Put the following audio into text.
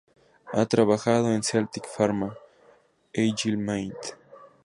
Ha trabajado con "Celtic Pharma", "Agile Mind".